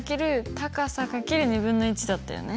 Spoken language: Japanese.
高さ×２分の１だったよね？